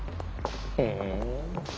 ふん。